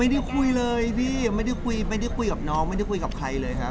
ไม่ได้คุยเลยพี่ไม่ได้คุยไม่ได้คุยกับน้องไม่ได้คุยกับใครเลยครับ